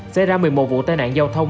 xảy ra một mươi một vụ tai nạn giao thông